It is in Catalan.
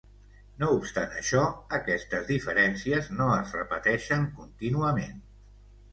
No obstant això, aquestes diferències no es repeteixen contínuament.